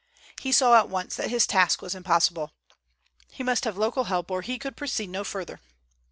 He saw at once that his task was impossible. He must have local help or he could proceed no further.